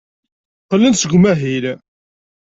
Qqlen-d seg umahil.